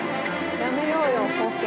やめようよ放送。